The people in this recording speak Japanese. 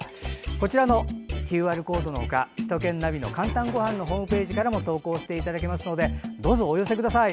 こちらのＱＲコードの他首都圏ナビの「かんたんごはん」のホームページからも投稿していただけますのでどうぞお寄せください。